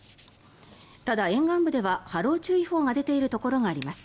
ただ、沿岸部では波浪注意報が出ているところがあります。